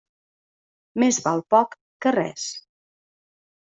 Més val poc que res.